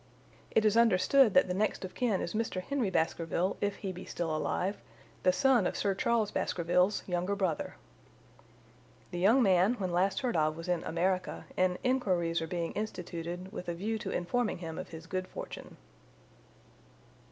It is understood that the next of kin is Mr. Henry Baskerville, if he be still alive, the son of Sir Charles Baskerville's younger brother. The young man when last heard of was in America, and inquiries are being instituted with a view to informing him of his good fortune."